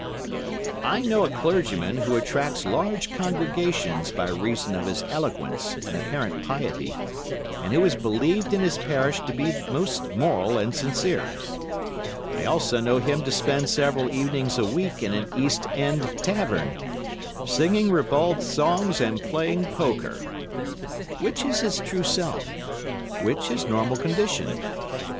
I know a clergyman who attracts large congregations by reason of his eloquence and apparent piety, and who is believed in his parish to be most moral and sincere. I also know him to spend several evenings a week in an East End tavern, singing ribald songs and playing poker. Which is his true self, which his normal condition?